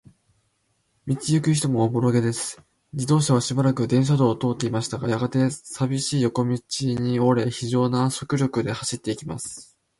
道ゆく人もおぼろげです。自動車はしばらく電車道を通っていましたが、やがて、さびしい横町に折れ、ひじょうな速力で走っています。